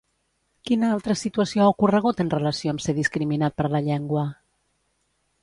Quina altra situació ha ocorregut en relació amb ser discriminat per la llengua?